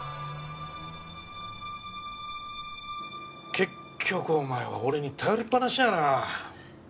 結局お前は俺に頼りっぱなしやな。